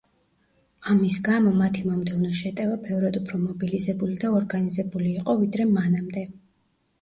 ამის გამო, მათი მომდევნო შეტევა ბევრად უფრო მობილიზებული და ორგანიზებული იყო, ვიდრე მანამდე.